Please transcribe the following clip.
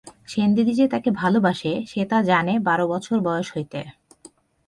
সেনদিদি যে তাকে ভালোবাসে সে তা জানে বারো বছর বয়স হইতে।